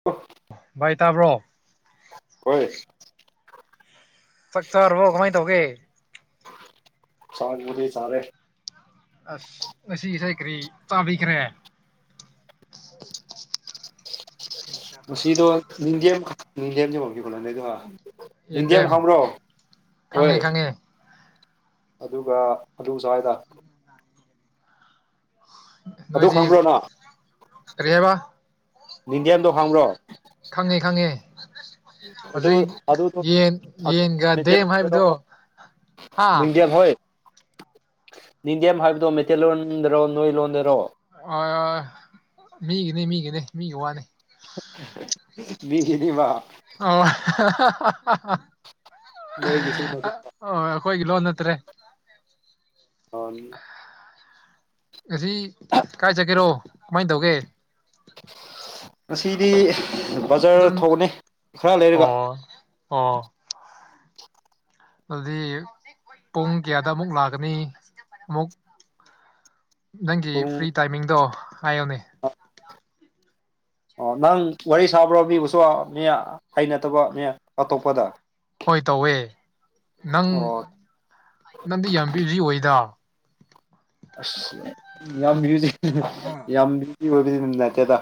[unintelligible] ꯚꯥꯏ ꯇꯥꯕ꯭ꯔꯣ [unintelligible] ꯆꯥꯛ ꯆꯥꯔꯕꯣ ꯀꯃꯥꯏꯅ ꯇꯧꯒꯦ ꯆꯥꯛꯕꯨꯗꯤ ꯆꯥꯔꯦ ꯑꯁ ꯉꯁꯤ ꯏꯟꯁꯩ ꯀꯔꯤ ꯆꯥꯕꯤꯈ꯭ꯔꯦ ꯉꯁꯤꯗꯣ ꯅꯤꯡꯗꯦꯝ ꯅꯤꯡꯗꯦꯝ [unintelligible] ꯅꯤꯡꯗꯦꯝ ꯌꯦꯟꯗꯦꯝ ꯍꯧꯕ꯭ꯔꯣ ꯑꯣꯏ ꯈꯪꯉꯦ ꯈꯪꯉꯦ ꯑꯗꯨꯒ ꯑꯥꯂꯨ ꯆꯥꯏꯗ ꯑꯗꯨ ꯅꯣꯏꯗꯤ ꯈꯥꯡꯕ꯭ꯔꯣꯅꯪ ꯀꯔꯤ ꯍꯥꯏꯕ ꯅꯤꯡꯗꯦꯝꯗꯣ ꯈꯪꯕ꯭ꯔꯣ ꯈꯪꯉꯦ ꯈꯪꯉꯦ ꯑꯗꯨ ꯍꯧꯖꯤꯛ ꯑꯗꯨꯗꯣ ꯌꯦꯟ ꯑꯗꯨ ꯌꯦꯟꯒ ꯗꯦꯝ ꯍꯥꯏꯕꯗꯣ ꯍꯥ ꯌꯦꯟꯗꯦꯝ ꯍꯣꯏ ꯅꯤꯡꯗꯦꯝ ꯍꯥꯏꯕꯗꯣ ꯃꯩꯇꯩꯂꯣꯟꯗꯔꯣ ꯅꯣꯏ ꯂꯣꯟꯗꯔꯣ ꯑꯣꯏ ꯃꯤꯒꯤꯅꯤ ꯃꯤꯒꯤꯅꯦ ꯃꯤꯒꯤ ꯋꯥꯅꯤ ꯃꯤꯒꯤꯅꯤꯕ ꯑꯣ [unintelligible] ꯅꯣꯏꯒꯤꯁꯨ [unintelligible] ꯑꯣ ꯑꯩꯈꯣꯏꯒꯤ ꯂꯣꯟ ꯅꯠꯇ꯭ꯔꯦ [unintelligible] ꯉꯁꯤ ꯀꯥꯏ ꯆꯠꯀꯦꯔꯣ ꯀꯃꯥꯏ ꯇꯧꯒꯦ ꯉꯁꯤꯗꯤ ꯕꯖꯥꯔ ꯑꯗꯨꯝ ꯊꯣꯛꯎꯅꯤ ꯈꯔ ꯂꯩꯔꯒ ꯑꯣ ꯑꯣ ꯑꯗꯨꯗꯤ ꯄꯨꯡ ꯀꯌꯥꯗ ꯑꯃꯨꯛ ꯂꯥꯛꯀꯅꯤ ꯑꯃꯨꯛ ꯅꯪꯒꯤ ꯄꯨꯡ ꯐ꯭ꯔꯤ ꯇꯥꯏꯃꯤꯡꯗꯣ ꯍꯥꯏꯌꯣꯅꯦ ꯑꯣ ꯅꯪ ꯋꯥꯔꯤ ꯁꯥꯕ꯭ꯔꯣ ꯃꯤꯕꯨꯁꯨ ꯃꯤ ꯑꯩꯅꯠꯇꯕ ꯃꯤ ꯑꯇꯣꯞꯄꯗ ꯍꯣꯏ ꯇꯧꯋꯦ ꯅꯪ ꯑꯣ ꯅꯪꯗꯤ ꯌꯥꯝ ꯕꯤꯖꯤ ꯑꯣꯏꯗ ꯑꯁ ꯌꯥꯝ ꯕꯤꯖꯤ ꯌꯥꯝ ꯕꯤꯖꯤ ꯑꯣꯏꯕꯗꯤ ꯅꯠꯇꯦꯗ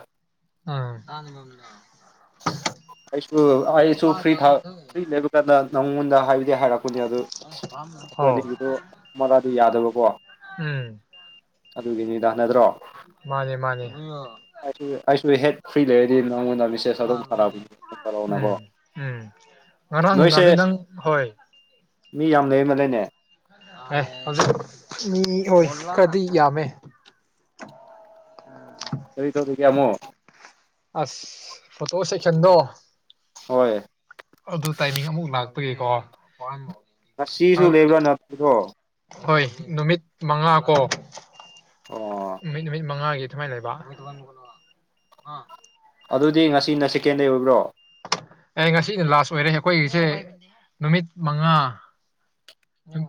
ꯑꯥ [unintelligible] ꯑꯩꯁꯨ ꯑꯩꯁꯨ ꯐ꯭ꯔꯤꯊ ꯐ꯭ꯔꯤ ꯂꯩꯕ ꯀꯥꯟꯗ ꯅꯉꯣꯟꯗ ꯍꯥꯏꯕꯗꯤ ꯍꯥꯏꯔꯛ ꯄꯅꯦ ꯑꯗꯨ ꯑꯩꯈꯣꯏ ꯍꯥꯎ ꯑꯅꯤꯒꯤꯗꯣ ꯃꯔꯥꯗꯤ ꯌꯥꯗꯕꯀꯣ ꯎꯝ ꯑꯗꯨꯒꯤꯅꯤꯗ ꯅꯠꯇ꯭ꯔꯣ ꯃꯥꯅꯦ ꯃꯥꯅꯦ ꯑꯩ ꯑꯩꯁꯨ ꯍꯦꯛ ꯐ꯭ꯔꯤ ꯂꯩꯔꯗꯤ ꯅꯪꯉꯣꯟꯗ ꯃꯤꯁꯦꯁ [unintelligible] ꯎꯝ ꯎꯝ ꯉꯔꯥꯡ ꯅꯣꯏꯁꯦ ꯅꯨꯡꯗꯥꯡꯗꯤ ꯅꯪ ꯍꯣꯏ ꯃꯤ ꯌꯥꯝ ꯂꯩꯕ ꯃꯥꯜꯂꯦꯅꯦ ꯑꯦ ꯍꯧꯖꯤꯛ ꯃꯤ ꯍꯣꯏ ꯈꯔꯗꯤ ꯌꯥꯝꯃꯦ ꯀꯔꯤ ꯇꯧꯔꯤꯒꯦ ꯑꯃꯨꯛ ꯑꯁ ꯐꯣꯇꯣ ꯁꯦꯛꯁꯟꯗꯣ ꯍꯣꯏ ꯑꯗꯨ ꯇꯥꯏꯃꯤꯡ ꯑꯃꯨꯛ ꯂꯥꯛꯄꯒꯤꯀꯣ ꯉꯁꯤꯁꯨ ꯂꯩꯕ꯭ꯔꯣ ꯅꯪ ꯐꯣꯇꯣ ꯍꯣꯏ ꯅꯨꯃꯤꯠ ꯃꯉꯥ ꯀꯣ ꯑꯣ ꯅꯨꯃꯤꯠ ꯅꯨꯃꯤꯠ ꯃꯉꯥꯒꯤ ꯑꯗꯨꯃꯥꯏ ꯂꯩꯕ [unintelligible] ꯑꯗꯨꯗꯤ ꯉꯁꯤꯅ ꯁꯦꯀꯦꯟꯗꯦ ꯑꯣꯏꯕ꯭ꯔꯣ ꯑꯦ ꯉꯁꯤꯅ ꯂꯥꯁ ꯑꯣꯏꯔꯦ ꯑꯩꯈꯣꯏꯒꯤꯁꯦ ꯅꯨꯃꯤꯠ ꯃꯉꯥ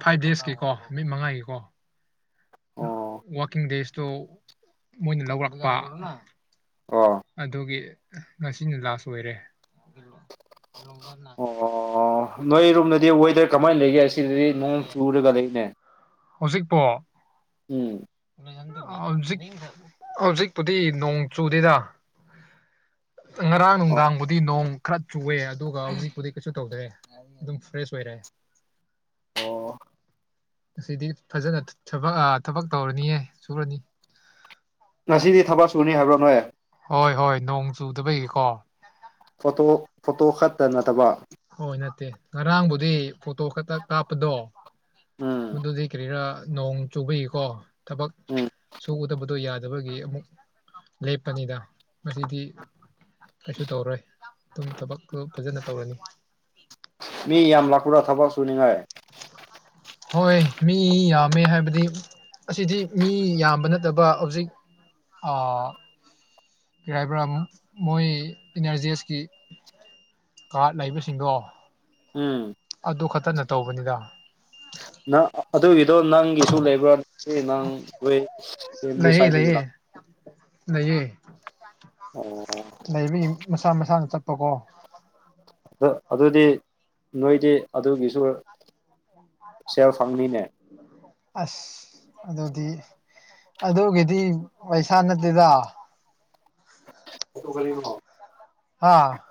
ꯐꯥꯏꯚ ꯗꯦꯖꯀꯤꯀꯣ ꯅꯨꯃꯤꯠ ꯃꯉꯥꯒꯤꯀꯣ ꯑꯣ ꯋꯥꯔꯀꯤꯡ ꯗꯦꯖꯇꯣ ꯃꯣꯏꯅ ꯂꯧꯔꯛꯄ ꯑꯣ ꯑꯗꯨꯒꯤ ꯉꯁꯤꯅ ꯂꯥꯁ ꯑꯣꯏꯔꯦ ꯑꯣ ꯅꯣꯏ ꯔꯣꯝꯗꯗꯤ ꯋꯦꯗꯔ ꯀꯃꯥꯏ ꯂꯩꯒꯦ ꯑꯁꯤꯗꯗꯤ ꯅꯣꯡ ꯆꯨꯔꯒ ꯂꯩꯅꯦ ꯍꯧꯖꯤꯛꯄꯣ ꯎꯝ [unintelligible] ꯍꯧꯖꯤꯛ ꯍꯧꯖꯤꯛꯄꯨꯗꯤ ꯅꯣꯡ ꯆꯨꯗꯦꯗ ꯉꯔꯥꯡ ꯑꯣ ꯅꯨꯡꯗꯥꯡꯕꯨꯗꯤ ꯅꯣꯡ ꯈꯔ ꯆꯨꯑꯦ ꯑꯗꯨꯒ ꯍꯧꯖꯤꯛꯄꯨꯗꯤ ꯀꯩꯁꯨ ꯇꯧꯗ꯭ꯔꯦ ꯑꯗꯨꯝ ꯐ꯭ꯔꯦꯁ ꯑꯣꯏꯔꯦ ꯑꯣ ꯑꯁꯤꯗꯤ ꯐꯖꯅ ꯊꯕꯛ ꯑꯥ ꯊꯕꯛ ꯇꯧꯔꯅꯤꯍꯦ ꯁꯨꯔꯅꯤ ꯉꯁꯤꯗꯤ ꯊꯕꯛ ꯁꯨꯅꯤ ꯍꯥꯏꯕ꯭ꯔꯣ ꯅꯣꯏ ꯍꯣꯏ ꯍꯣꯏ ꯅꯣꯡ ꯆꯨꯗꯕꯒꯤꯀꯣ ꯐꯣꯇꯣ ꯐꯣꯇꯣ ꯈꯛꯇ ꯅꯠꯇꯕ ꯍꯣꯏ ꯅꯠꯇꯦ ꯉꯔꯥꯡꯕꯨꯗꯤ ꯐꯣꯇꯣ ꯈꯛꯇ ꯀꯥꯞꯄꯗꯣ ꯎꯝ ꯑꯗꯨꯗꯤ ꯀꯔꯤꯔꯥ ꯅꯣꯡ ꯆꯨꯕꯒꯤꯀꯣ ꯊꯕꯛ ꯎꯝ ꯁꯨꯒꯗꯕꯗꯣ ꯌꯥ ꯂꯦꯕꯔꯒꯤ ꯑꯃꯨꯛ ꯂꯦꯞꯄꯅꯤꯗ ꯃꯁꯤꯗꯤ ꯀꯩꯁꯨ ꯇꯧꯔꯣꯏ ꯑꯗꯨꯝ ꯊꯕꯛꯇꯣ ꯐꯖꯅ ꯇꯧꯔꯅꯤ ꯃꯤ ꯌꯥꯝ ꯂꯥꯛꯄ꯭ꯔꯥ ꯊꯕꯛ ꯁꯨꯅꯤꯡꯉꯥꯏ ꯍꯣꯏ ꯃꯤ ꯌꯥꯝꯃꯦ ꯍꯥꯏꯕꯗꯤ ꯑꯁꯤꯗꯤ ꯃꯤ ꯌꯥꯝꯕ ꯅꯠꯇꯕ ꯍꯧꯖꯤꯛ ꯑꯥ ꯀ꯭ꯔꯤ ꯍꯥꯏꯕ꯭ꯔꯥ ꯃꯣꯏ ꯑꯦꯟ ꯑꯥꯔ ꯖꯤ ꯑꯦꯁꯀꯤ ꯀꯥꯔꯠ ꯂꯩꯕꯁꯤꯡꯗꯣ ꯎꯝ ꯑꯗꯨ ꯈꯛꯇꯅ ꯇꯧꯕꯅꯤꯗ [inaudible] ꯅꯪ ꯑꯗꯨꯒꯤꯗꯣ ꯅꯪꯒꯤꯁꯨ ꯂꯩꯕ꯭ꯔꯥ ꯅꯪ [unintelligible] ꯂꯩꯌꯦ ꯁꯥꯏꯠꯇꯥꯒꯤ ꯂꯩꯌꯦ ꯂꯥꯛ ꯂꯩꯌꯦ ꯑꯣ ꯂꯩꯕ꯭ꯔꯥ ꯌꯦꯡꯉꯨ ꯃꯁꯥ ꯃꯁꯥꯅ ꯆꯠꯄꯀꯣ ꯑꯗꯣ ꯑꯗꯨꯗꯤ ꯅꯣꯏꯗꯤ ꯑꯗꯨꯒꯤꯁꯨ ꯁꯦꯜ ꯐꯪꯅꯤꯅꯦ ꯑꯁ ꯑꯗꯨꯗꯤ ꯑꯗꯨꯒꯤꯗꯤ ꯄꯩꯁꯥ ꯅꯠꯇꯦꯗ ꯑꯗꯨ ꯀꯔꯤꯅꯣ ꯍꯥ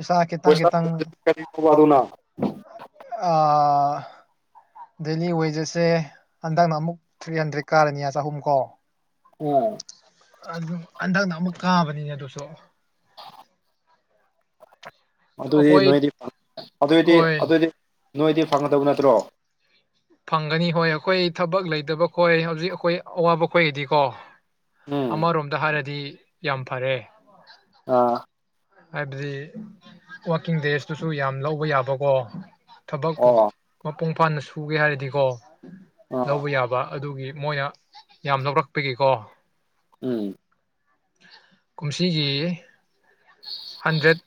ꯏꯁꯥ ꯈꯤꯇꯪ ꯄꯩꯁꯥ ꯈꯤꯇꯪ ꯅꯠꯇ꯭ꯔꯥꯗꯤ ꯀꯔꯤ ꯀꯧꯕ ꯑꯗꯨꯅ ꯑꯥ ꯗꯦꯂꯤ ꯋꯦꯖꯦꯁꯁꯦ ꯍꯟꯗꯛꯅ ꯑꯃꯨꯛ ꯊ꯭ꯔꯤ ꯍꯟꯗ꯭ꯔꯦꯠ ꯀꯥꯔꯅꯤ ꯆꯍꯨꯝ ꯀꯣ ꯑꯣ ꯑꯗꯨꯝ ꯍꯟꯗꯛꯅ ꯑꯃꯨꯛ ꯀꯥꯕꯅꯤꯅꯦ ꯑꯗꯨꯁꯨ ꯑꯗꯨꯏꯗꯤ ꯑꯩꯈꯣꯏ ꯅꯣꯏꯗꯤ ꯑꯗꯨꯑꯣꯏꯗꯤ ꯍꯣꯏ ꯑꯗꯨꯑꯣꯏꯗꯤ ꯅꯣꯏꯗꯤ ꯐꯪꯒꯗꯕ ꯅꯠꯇ꯭ꯔꯣ ꯐꯪꯒꯅꯤ ꯍꯣꯏ ꯑꯩꯈꯣꯏ ꯊꯕꯛ ꯂꯩꯇꯕ ꯈꯣꯏ ꯍꯧꯖꯤꯛ ꯑꯩꯈꯣꯏ ꯑꯋꯥꯕ ꯈꯣꯏꯒꯤꯗꯤꯀꯣ ꯎꯝ ꯑꯃꯔꯣꯝꯗ ꯍꯥꯏꯔꯗꯤ ꯌꯥꯝ ꯐꯥꯔꯦ ꯑꯥ ꯍꯥꯏꯕꯗꯤ ꯋꯥꯥꯛꯀꯤꯡ ꯗꯦꯖꯇꯨꯁꯨ ꯌꯥꯝ ꯂꯧꯕ ꯌꯥꯕꯀꯣ ꯊꯕꯛꯄꯨ ꯑꯣ ꯃꯄꯨꯡ ꯐꯥꯅ ꯁꯨꯒꯦ ꯍꯥꯏꯔꯗꯤꯀꯣ ꯑꯥ ꯂꯧꯕ ꯌꯥꯕ ꯑꯗꯨꯒꯤ ꯃꯣꯏꯅ ꯌꯥꯝ ꯂꯧꯔꯛꯄꯒꯤꯀꯣ ꯎꯝ ꯀꯨꯝꯁꯤꯒꯤ ꯍꯟꯗ꯭ꯔꯦꯠ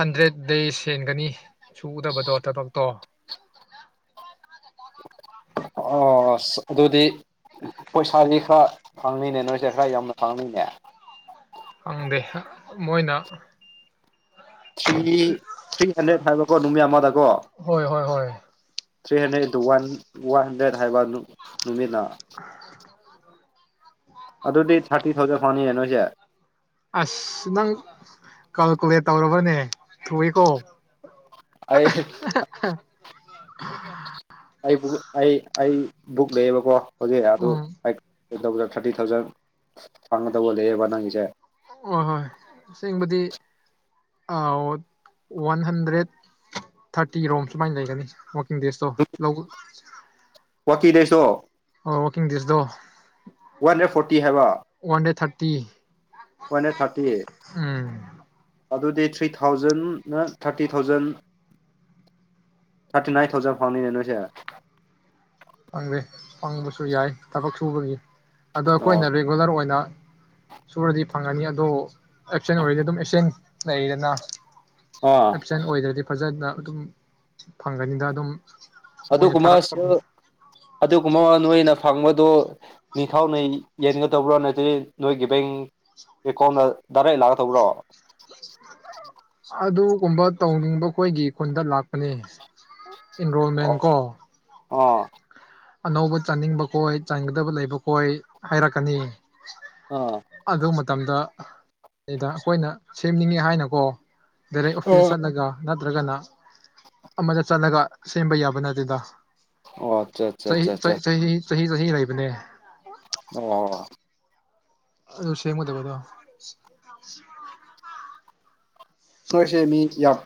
ꯍꯟꯗ꯭ꯔꯦꯠ ꯗꯦꯁ ꯍꯦꯟꯒꯅꯤ ꯁꯨꯗꯕꯗꯣ ꯊꯕꯛꯇꯣ ꯑꯁ ꯑꯗꯨꯗꯤ ꯄꯩꯁꯥꯗꯤ ꯈꯔ ꯐꯪꯅꯤꯅꯦ ꯅꯣꯏꯁꯦ ꯈꯔ ꯌꯥꯝꯅ ꯐꯪꯅꯤꯅꯦ ꯈꯪꯗꯦ ꯃꯣꯏꯅ ꯊ꯭ꯔꯤ ꯊ꯭ꯔꯤ ꯍꯟꯗ꯭ꯔꯦꯗ ꯍꯥꯏꯕꯀꯣ ꯅꯨꯃꯤꯠ ꯑꯃꯗꯀꯣ ꯍꯣꯏ ꯍꯣꯏ ꯍꯣꯏ three hundred into one one hundred ꯍꯥꯏꯕ ꯅꯨꯃꯤꯠꯅ ꯑꯗꯨꯗꯤ ꯊꯥꯔꯇꯤ ꯊꯥꯎꯖꯟ ꯐꯪꯅꯤꯌꯦ ꯅꯣꯏꯁꯦ ꯑꯁ ꯅꯪ ꯀꯜꯀꯨꯂꯦꯠ ꯇꯧꯔꯕꯅꯦ ꯊꯨꯏꯋꯦꯀꯣ ꯑꯩ ꯑꯩꯕꯨ ꯑꯩ ꯑꯩ ꯕꯨꯛ ꯂꯩꯌꯦꯕꯀꯣ ꯍꯧꯖꯤꯛ ꯑꯗꯨ ꯎꯝ ꯀꯩ ꯇꯧꯕꯗ ꯊꯥꯔꯇꯤ ꯊꯥꯎꯖꯟ ꯐꯪꯒ ꯇꯧꯕ ꯂꯩꯌꯦꯕ ꯅꯪꯒꯤꯁꯦ ꯍꯣꯏ ꯍꯣꯏ ꯑꯁꯦꯡꯕꯗꯤ ꯋꯥꯟ ꯍꯟꯗ꯭ꯔꯦꯠ ꯊꯥꯔꯇꯤ ꯔꯣꯝ ꯁꯨꯃꯥꯏꯅ ꯂꯩꯒꯅꯤ ꯑꯣꯦ [unintelligible] ꯋꯥꯀꯤꯗꯦꯁꯣ ꯑꯣ ꯋꯥꯛꯀꯤꯡ ꯗꯦꯖꯇꯣ ꯋꯥꯟ ꯍꯟꯗ꯭ꯔꯦꯠ ꯐꯣꯔꯇꯤ ꯍꯥꯏꯕ ꯋꯥꯟ ꯗꯦ ꯊꯥꯔꯇꯤ ꯋꯥꯟ ꯍꯟꯗ꯭ꯔꯦꯠ ꯊꯥꯔꯇꯤ ꯎꯝ ꯑꯗꯨꯗꯤ ꯊ꯭ꯔꯤ ꯊꯥꯎꯖꯟ ꯅ thirty thousand thirty nine thousand ꯐꯪꯅꯤꯅꯦ ꯅꯣꯏꯁꯦ ꯐꯪꯗꯦ ꯐꯪꯕꯁꯨ ꯌꯥꯏ ꯊꯕꯛ ꯁꯨꯕꯒꯤ ꯑꯗꯣ ꯑꯣ ꯑꯩꯈꯣꯏꯅ ꯔꯤ ꯔꯤꯒꯨꯂꯔ ꯑꯣꯏꯅ ꯁꯨꯔꯗꯤ ꯐꯪꯉꯅꯤ ꯑꯗꯣ ꯑꯦꯞꯁꯦꯟ ꯑꯣꯏꯔꯗꯤ ꯑꯗꯨꯝ ꯑꯦꯞꯁꯦꯟ ꯂꯩꯩꯔꯦꯅ ꯑ ꯑꯦꯞꯁꯦꯟ ꯑꯣꯏꯗ꯭ꯔꯗꯤ ꯐꯖꯅ ꯑꯗꯨꯝ ꯐꯪꯒꯅꯤꯗ ꯑꯗꯨꯝ ꯃꯣꯏꯅ ꯑꯗꯨꯒ ꯊꯥꯔꯛꯄ ꯃꯁꯨ ꯑꯗꯨꯒꯃ ꯅꯣꯏ ꯅꯣꯏꯅ ꯐꯪꯕꯗꯣ ꯅꯤꯡꯊꯧꯅ ꯌꯦꯟꯒꯗꯧꯕ꯭ꯔꯥ ꯅꯠꯇꯔ ꯅꯣꯏꯒꯤ ꯕꯦꯡ ꯑꯦꯀꯣꯎꯟꯗ ꯇꯔꯦꯠ ꯂꯥꯛ ꯇꯧꯕ꯭ꯔꯣ ꯑꯗꯨꯒꯨꯝꯕ ꯇꯧꯅꯤꯡꯕ ꯑꯩꯈꯣꯏꯒꯤ ꯈꯨꯟꯗ ꯂꯥꯛꯄꯅꯦ ꯏꯟꯔꯣꯜꯃꯦꯟ ꯑꯣ ꯀꯣ ꯑꯥ ꯑꯅꯧꯕ ꯆꯥꯅꯤꯡꯕ ꯈꯣꯏ ꯆꯥꯅꯤꯡꯒꯗꯕ ꯂꯩꯕ ꯈꯣꯏ ꯍꯥꯏꯔꯛꯀꯅꯤ ꯑꯥ ꯑꯗꯨ ꯃꯇꯝꯗ ꯅꯤꯗ ꯑꯩꯈꯣꯏꯅ ꯁꯦꯝꯅꯤꯡꯉꯦ ꯍꯥꯏꯅꯀꯣ ꯗꯥꯏꯔꯦꯛ ꯑꯣꯐꯤꯁ ꯆꯠꯂꯒ ꯅꯠꯇ꯭ꯔꯒꯅ ꯑꯃꯗ ꯆꯠꯂꯒ ꯁꯦꯝꯕ ꯌꯥꯕ ꯅꯠꯇꯦꯗ ꯑꯣ ꯑꯆꯥꯠ ꯆꯍꯤ ꯆꯩ ꯆꯍꯤ ꯆꯍꯤ ꯆꯍꯤꯒꯤ ꯂꯩꯕꯅꯦ ꯑꯣ ꯑꯗꯨ ꯁꯦꯝꯒꯗꯕꯗꯣ [inaudible] ꯅꯣꯏꯁꯦ ꯃꯤ ꯌꯥꯝ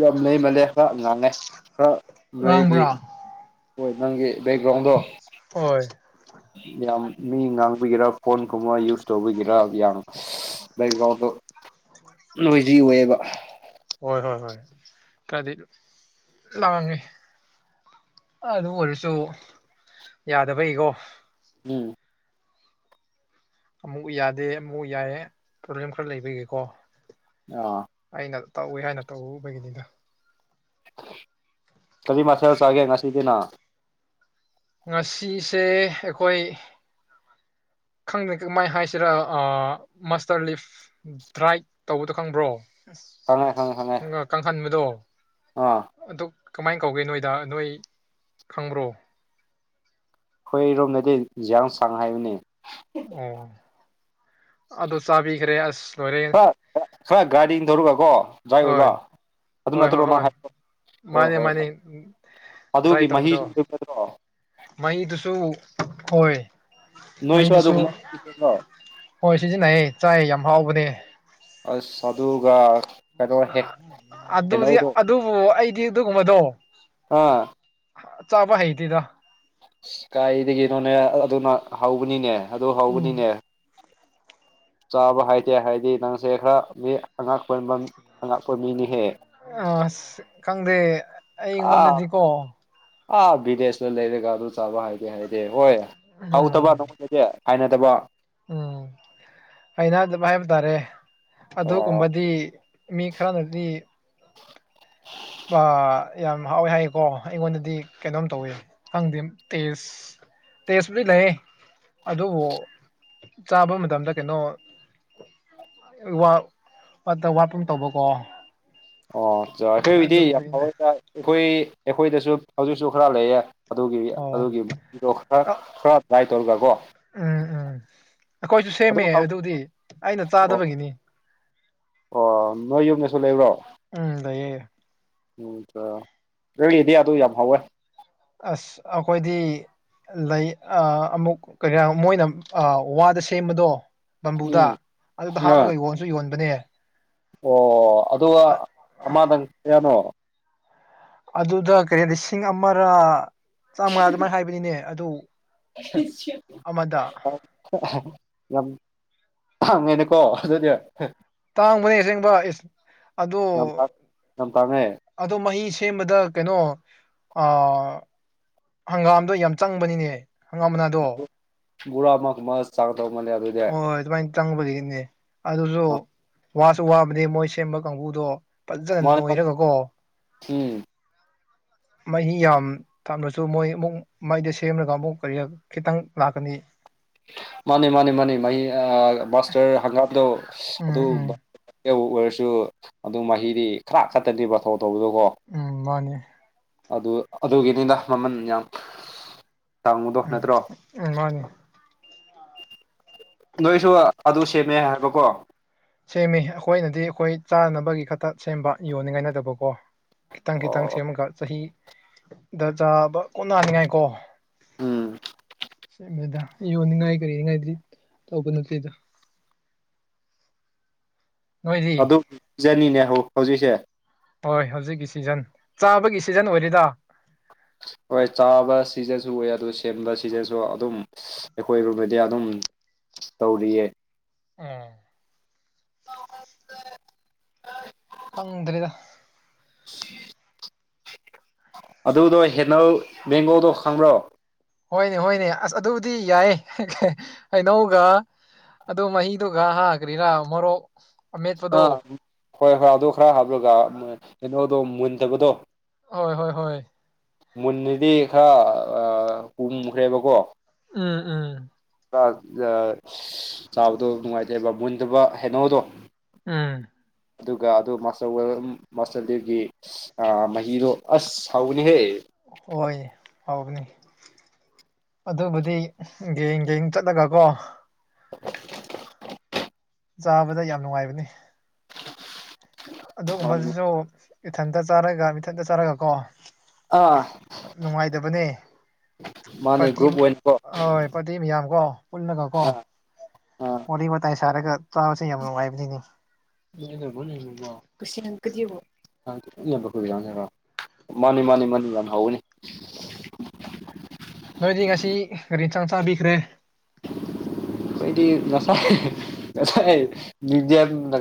ꯌꯥꯝ ꯂꯩꯃꯜꯂꯦ ꯈꯔ ꯉꯥꯡꯉꯦ ꯈꯔ ꯅꯣꯏꯒꯤ ꯉꯥꯡꯕ꯭ꯔꯥ ꯍꯣꯏ ꯅꯪꯒꯤ ꯕꯦꯛꯒ꯭ꯔꯥꯎꯟꯗꯣ ꯍꯣꯏ ꯌꯥꯝ ꯃꯤ ꯉꯥꯡꯕꯤꯒꯦꯔꯥ ꯐꯣꯟ ꯀꯨꯝꯕ ꯌꯨꯁ ꯇꯧꯕꯤꯒꯦꯔꯥ ꯌꯥꯝ ꯕꯒ꯭ꯔꯥꯎꯟꯗꯣ ꯅꯣꯏꯖꯤ ꯑꯣꯏꯌꯦꯕ ꯍꯣꯏ ꯍꯣꯏ ꯍꯣꯏ ꯈꯔꯗꯤ ꯂꯥꯡꯉꯦ ꯑꯗꯨ ꯑꯣꯏꯔꯁꯨ ꯌꯥꯗꯕꯩ ꯀꯣ ꯎꯝ ꯑꯃꯨꯛ ꯌꯥꯗꯦ ꯑꯃꯨꯛ ꯌꯥꯏꯌꯦ ꯄ꯭ꯔꯣꯕ꯭ꯂꯦꯝ ꯈꯔ ꯂꯩꯕꯒꯤꯀꯣ ꯑ ꯑꯩꯅ ꯇꯧꯋꯦ ꯍꯥꯏꯅ ꯇꯧꯕꯒꯤꯅꯤꯗ ꯀꯔꯤ ꯃꯊꯦꯜ ꯆꯥꯒꯦ ꯉꯁꯤꯗꯤꯅ ꯉꯁꯤꯁꯦ ꯑꯩꯈꯣꯏ ꯈꯪꯗꯦ ꯀꯃꯥꯏ ꯍꯥꯏꯁꯤꯔ ꯃꯁꯇꯔ ꯂꯤꯐ ꯊ꯭ꯔꯥꯏꯠ ꯇꯧꯕꯗꯣ ꯈꯪꯕ꯭ꯔꯣ ꯈꯪꯉꯦ ꯈꯪꯉꯦ ꯈꯪꯉꯦ ꯅꯨꯡꯉꯥ ꯀꯪꯍꯟꯕꯗꯣ ꯑꯥ ꯑꯗꯨ ꯀꯃꯥꯏꯟ ꯀꯧꯒꯦ ꯅꯣꯏꯗ ꯅꯣꯏ ꯈꯪꯕ꯭ꯔꯣ ꯈꯣꯏꯔꯣꯝꯗꯗꯤ ꯖ꯭ꯤꯌꯁꯥꯡ ꯍꯥꯏꯕꯅꯦ ꯑꯣ ꯑꯗꯣ ꯆꯥꯕꯤꯒ꯭ꯔꯦ ꯑꯁ ꯂꯣꯏꯔꯦ ꯈꯔ ꯈꯔ ꯒꯥꯔꯤ ꯊꯧꯔꯒꯀꯣ ꯗ꯭ꯔꯥꯏ ꯑꯣꯏꯕ ꯍꯣꯏ ꯑꯗꯨ ꯍꯣꯏ ꯍꯣꯏ ꯅꯠꯇ꯭ꯔꯣꯅ ꯍꯣꯏ ꯍꯥꯏ ꯍꯣꯏ ꯃꯥꯅꯦ ꯍꯣꯏ ꯃꯥꯅꯦ ꯍꯣꯏ ꯑꯗꯨꯒꯤ ꯃꯍꯤ [inaudible] ꯃꯩꯗꯨꯁꯨ ꯍꯣꯏ ꯅꯣꯏꯁꯨ ꯃꯩꯗꯨꯁꯨ ꯑꯗꯨꯒꯨꯝꯕ ꯍꯣꯏ ꯁꯤꯖꯤꯟꯅꯩꯌꯦ ꯆꯥꯏ ꯌꯥꯝ ꯍꯥꯎꯕꯅꯦ ꯑꯁ ꯑꯗꯨꯒ ꯀꯩꯅꯣ ꯑ ꯍꯦꯛ ꯑꯗꯨꯗꯤ ꯍꯩꯅꯧꯗꯣ ꯑꯗꯨꯕꯨ ꯑꯩꯗꯤ ꯑꯗꯨꯒꯨꯝꯕꯗꯣ ꯑꯥ ꯆꯥꯕ ꯍꯩꯇꯦꯗ ꯏꯁ ꯀꯥꯏꯗꯒꯤꯅꯣꯅꯦ ꯑꯗꯨꯅ ꯍꯧꯕꯅꯤꯅꯦ ꯑꯗꯨ ꯎꯝ ꯍꯧꯕꯅꯤꯅꯦ ꯆꯥꯕ ꯍꯥꯏꯇꯦ ꯍꯥꯏꯗꯤ ꯅꯪꯁꯦ ꯈꯔ ꯃꯤ ꯑꯉꯛꯄ ꯑꯉꯛꯄ ꯃꯤꯅꯤꯍꯦ ꯑꯁ ꯈꯪꯗꯦ ꯑꯥ ꯑꯩꯉꯣꯟꯗꯗꯤꯀꯣ ꯑꯥ ꯕꯤꯗꯦꯁꯇ ꯂꯩꯔꯦꯒ ꯑꯗꯨ ꯆꯥꯕ ꯍꯥꯏꯗꯦ ꯍꯥꯏꯗꯦ ꯍꯣꯏ ꯍꯥꯎꯇꯕ ꯎꯝ ꯅꯉꯣꯟꯗꯗꯦ ꯍꯥꯏꯅꯗꯕ ꯎꯝ ꯍꯩꯅꯗꯕꯥ ꯍꯥꯏꯕ ꯇꯥꯔꯦ ꯑꯣ ꯑꯗꯨꯒꯨꯝꯕꯗꯤ ꯃꯤ ꯈꯔꯅꯗꯤ ꯄ ꯌꯥꯝ ꯍꯥꯎꯋꯦ ꯍꯥꯏꯌꯦꯀꯣ ꯑꯩꯉꯣꯟꯗꯗꯤ ꯀꯩꯅꯣꯝ ꯇꯧꯋꯦ ꯈꯪꯗꯦ ꯇꯦꯖ ꯇꯦꯁꯄꯨꯗꯤ ꯂꯩ ꯑꯗꯨꯕꯨ ꯆꯥꯕ ꯃꯇꯝꯗ ꯀꯩꯅꯣ ꯋꯥ ꯋꯥꯇꯥ ꯋꯥꯠꯀꯨꯝ ꯇꯧꯕꯀꯣ ꯑꯣ ꯆꯥ ꯑꯩꯈꯣꯏꯕꯨꯗꯤ [unintelligible] ꯑꯗꯨꯒꯤꯅꯦ ꯑꯈꯣꯏ ꯑꯦꯡꯈꯣꯏꯗꯁꯨ ꯍꯧꯖꯤꯛꯁꯨ ꯈꯔ ꯂꯩꯌꯦ ꯑꯗꯨꯒꯤ ꯑꯣ ꯑꯗꯨꯒꯤꯗꯣ ꯈꯔ ꯈꯔ ꯇ꯭ꯔꯥꯏ ꯇꯧꯔꯒ ꯀꯣ ꯎꯝ ꯎꯝ ꯑꯩꯈꯣꯏꯁꯨ ꯑꯗꯨꯝ ꯁꯦꯝꯃꯦ ꯍꯥꯎ ꯑꯗꯨꯗꯤ ꯑꯩꯅ ꯑꯣ ꯆꯥꯗꯕꯒꯤꯅꯤ ꯑꯣ ꯅꯣꯏ ꯌꯨꯝꯗꯁꯨ ꯂꯩꯕ꯭ꯔꯣ ꯎꯝ ꯂꯩꯌꯦ꯫ ꯎꯝ ꯗ ꯑꯩꯒꯤꯗꯤ ꯑꯗꯨ ꯌꯥꯝ ꯍꯥꯎꯋꯦ꯫ ꯑꯁ ꯑꯩꯈꯣꯏꯗꯤ ꯂꯩ ꯑꯥ ꯑꯃꯨꯛ ꯀꯌꯥ ꯃꯣꯏꯅ ꯑꯥ ꯋꯥꯗ ꯁꯦꯝꯕꯗꯣ ꯕꯝꯕꯨꯗ ꯎꯝ ꯑꯗꯨꯗ ꯑꯥ ꯍꯥꯞꯄꯒ ꯌꯣꯟꯁꯨ ꯌꯣꯟꯕꯅꯦ ꯑꯣ ꯑꯗꯨꯒ ꯑꯃꯗꯪ ꯀꯌꯥꯅꯣ꯫ ꯑꯗꯨꯗ ꯀꯩ ꯂꯤꯁꯤꯡ ꯑꯃꯔ ꯆꯥꯃꯉꯥ ꯑꯗꯨꯃꯥꯏ ꯍꯥꯏꯕꯅꯤꯅꯦ ꯑꯗꯨ ꯑꯃꯗ [unintelligible] ꯌꯥꯝ ꯍꯥꯡꯉꯦꯅꯀꯣ ꯑꯗꯨꯗꯤ ꯇꯥꯡꯕꯅꯦ ꯑꯁꯦꯡꯕ ꯑꯁ ꯑꯗꯣ ꯌꯥꯝ ꯇꯥꯡ ꯌꯥꯝ ꯇꯥꯡꯉꯦ ꯑꯗꯣ ꯃꯍꯤ ꯁꯦꯝꯕꯗ ꯀꯩꯅꯣ ꯑꯥ ꯍꯪꯒꯥꯝꯗꯣ ꯌꯥꯝ ꯆꯪꯕꯅꯤꯅꯦ ꯍꯪꯒꯥꯝ ꯃꯅꯥꯗꯣ [unintelligible] ꯆꯥꯒꯥꯗꯧ ꯃꯥꯜꯂꯦ ꯑꯗꯨ ꯑꯣꯥꯏ ꯑꯗꯨꯃꯥꯏ ꯆꯪꯕꯗꯒꯤꯅꯦ ꯑꯗꯨꯁꯨ ꯋꯥꯁꯨ ꯋꯥꯕꯅꯦ ꯃꯣꯏ ꯁꯦꯝꯕ ꯀꯥꯡꯒꯨꯗꯣ ꯐꯖꯟ ꯃꯥꯅꯦ ꯃꯥꯅꯦ ꯅꯣꯏꯔꯒꯥꯀꯣ ꯎꯝ ꯃꯍꯤ ꯌꯥꯝ ꯊꯝꯔꯁꯨ ꯃꯣꯏ ꯑꯃꯨꯛ ꯃꯥꯏꯗ ꯁꯦꯝꯂꯒ ꯑꯃꯨꯛ ꯀꯔꯤ ꯈꯤꯇꯪ ꯂꯥꯛꯀꯅꯤ꯫ ꯃꯥꯅꯦ ꯃꯥꯅꯦ ꯃꯥꯅꯦ ꯃꯍꯤ ꯑꯥ ꯃꯥꯁꯇꯔ ꯍꯪꯒꯥꯝꯗꯣ ꯑꯗꯨ ꯎꯝ ꯎꯝ ꯑꯦꯕꯨꯛ ꯑꯣꯏꯔꯁꯨ ꯑꯗꯨꯝ ꯃꯍꯤꯗꯤ ꯈꯔ ꯈꯠꯇꯗꯕ ꯊꯊꯧ ꯇꯧꯕꯗꯣꯀꯣ [unintelligible] ꯎꯝ ꯃꯥꯅꯤ ꯑꯗꯨ ꯑꯗꯨꯒꯤꯅꯤꯗ ꯃꯃꯟ ꯌꯥꯝ ꯇꯥꯡꯕꯗꯣ ꯅꯠꯇ꯭ꯔꯣ ꯎꯝ ꯃꯥꯅꯦ ꯅꯣꯏꯁꯨ ꯑꯗꯨ ꯁꯦꯝꯃꯦ ꯍꯥꯏꯕꯀꯣ ꯁꯦꯝꯃꯤ ꯑꯩꯈꯣꯏꯅꯗꯤ ꯑꯩꯈꯣꯏ ꯆꯥꯅꯅꯕꯒꯤ ꯈꯛꯇ ꯁꯦꯝꯕ ꯌꯣꯟꯅꯤꯡꯉꯥꯏꯅꯗꯕꯀꯣ ꯈꯤꯇꯪ ꯈꯤꯇꯪ ꯑꯣ ꯁꯦꯝꯃꯒ ꯆꯍꯤꯗ ꯆꯥꯕ ꯀꯣꯟ ꯅꯥꯅꯤꯡꯉꯥꯏ ꯀꯣ ꯎꯝ ꯌꯣꯟꯅꯤꯡꯉꯥꯏ ꯀꯔꯤꯅꯤꯉꯥꯏꯗꯤ ꯇꯧꯕ ꯅꯠꯇꯦꯗ ꯅꯣꯏꯗꯤ ꯑꯗꯨꯛꯖꯅꯤꯅꯦ ꯍꯧꯖꯤꯛꯁꯦ [unintelligible] ꯍꯣꯏ ꯍꯧꯖꯤꯛꯀꯤ ꯁꯤꯖꯟ ꯆꯥꯕꯒꯤ ꯁꯤꯖꯟ ꯑꯣꯏꯔꯦꯗ ꯍꯣꯏ ꯆꯥꯕ ꯁꯤꯖꯟꯁꯨ ꯑꯣꯏ ꯑꯗꯨ ꯁꯦꯝꯕ ꯁꯤꯖꯟꯁꯨ ꯑꯗꯨꯝ ꯑꯩꯈꯣꯏꯔꯣꯝꯗꯗꯤ ꯑꯗꯨꯝ ꯇꯧꯔꯤꯌꯦ ꯑꯝ [unintelligible] ꯉꯥꯎꯍꯟꯂꯦ [unintelligible] ꯈꯪꯗ꯭ꯔꯦꯗ ꯁꯤ [unintelligible] ꯑꯗꯨꯗꯣ ꯍꯦꯅꯧ ꯃꯦꯡꯒꯣꯗꯣ ꯈꯪꯕ꯭ꯔꯣ ꯍꯣꯏꯅꯦ ꯍꯣꯏꯅꯦ ꯑꯁ ꯑꯗꯨꯕꯨꯗꯤ ꯌꯥꯏ ꯍꯩꯅꯧꯒ ꯑꯗꯨ ꯃꯍꯤꯗꯨꯒ ꯍꯥ ꯀꯔꯤꯔꯥ ꯃꯣꯔꯣꯛ ꯑꯃꯦꯠꯄꯗꯣ ꯑ ꯍꯣꯏ ꯍꯣꯏ ꯑꯗꯣ ꯈꯔ ꯍꯥꯞꯂꯒ ꯀꯩꯅꯣꯗꯣ ꯃꯨꯟꯗꯕꯗꯣ [unintelligible] ꯍꯣꯏ ꯍꯣꯏ ꯍꯣꯏ ꯃꯨꯟꯅꯦꯗꯤ ꯈꯔ ꯀꯨꯝꯈ꯭ꯔꯦꯕꯀꯣ [unintelligible] ꯎꯝ ꯎꯝ [inaudible] ꯆꯥꯕꯗꯣ ꯅꯨꯡꯉꯥꯏꯇꯦꯕ ꯃꯨꯟꯗꯕ ꯍꯩꯅꯧꯗꯣ ꯎꯝ ꯑꯗꯨꯒ ꯑꯗꯨ ꯃꯥꯁꯇꯔ ꯋꯦꯜ ꯃꯥꯁꯇꯔꯗꯨꯒꯤ ꯃꯍꯤꯗꯣ ꯑꯁ ꯍꯥꯎꯕꯅꯤꯍꯦ [unintelligible] ꯍꯣꯏ ꯍꯥꯎꯕꯅꯦ ꯑꯗꯨꯕꯨꯗꯤ ꯒꯦꯡꯒꯦꯡ ꯆꯠꯂꯒ ꯀꯣ ꯆꯥꯕꯗ ꯌꯥꯝ ꯅꯨꯡꯉꯥꯏꯕꯅꯦ ꯑꯗꯨꯒꯨꯝꯕꯗꯨꯁꯨ ꯏꯊꯟꯇ ꯆꯥꯔꯒ ꯏꯊꯟꯇ ꯆꯥꯔꯒꯀꯣ ꯑꯥ ꯅꯨꯡꯉꯥꯏꯗꯕꯅꯦ ꯃꯥꯅꯦ ꯄꯥꯔꯇꯤ ꯒ꯭ꯔꯨꯞ ꯑꯣꯏꯅꯀꯣ ꯄꯥꯔꯇꯤ ꯃꯌꯥꯝ ꯀꯣ ꯄꯨꯜꯂꯒ ꯀꯣ ꯑꯥ ꯑꯥ ꯋꯥꯔꯤ ꯋꯥꯇꯥꯏ ꯁꯥꯔꯒ ꯆꯥꯕꯁꯦ ꯌꯥꯝ ꯅꯨꯡꯉꯥꯏꯕꯅꯤꯅꯦ [inaudible] [inaudible] ꯃꯥꯅꯤ ꯃꯥꯅꯤ ꯃꯥꯅꯤ ꯌꯥꯝ ꯍꯧꯕꯅꯤ ꯅꯣꯏꯗꯤ ꯉꯁꯤ ꯀꯔꯤ ꯏꯟꯁꯥꯡ ꯆꯥꯕꯤꯈ꯭ꯔꯦ ꯑꯈꯣꯏꯗꯤ ꯉꯁꯥꯏ ꯉꯁꯥꯏ [inaudible]